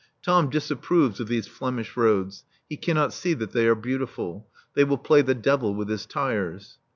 Tom disapproves of these Flemish roads. He cannot see that they are beautiful. They will play the devil with his tyres.